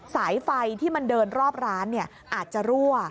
สายไฟที่มันเดินรอบร้านอาจจะรั่ว